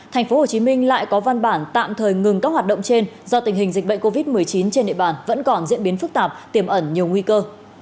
tp hcm lại có văn bản tạm thời ngừng các hoạt động trên do tình hình dịch bệnh covid một mươi chín trên địa bàn vẫn còn diễn biến phức tạp tiềm ẩn nhiều nguy cơ